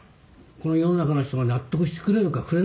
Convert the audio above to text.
この世の中の人が納得してくれるかくれないか。